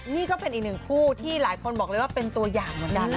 นี่ก็เป็นอีกหนึ่งคู่ที่หลายคนบอกเลยว่าเป็นตัวอย่างเหมือนกัน